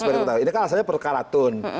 ini kan alasannya perkaratun